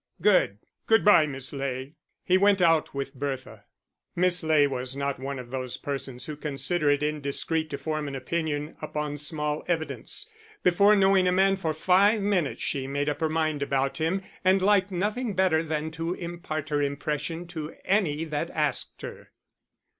"Good! Good bye, Miss Ley." He went out with Bertha. Miss Ley was not one of those persons who consider it indiscreet to form an opinion upon small evidence. Before knowing a man for five minutes she made up her mind about him, and liked nothing better than to impart her impression to any that asked her.